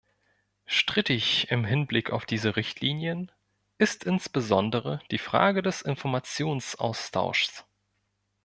Strittig im Hinblick auf diese Richtlinien ist insbesondere die Frage des Informationsaustauschs.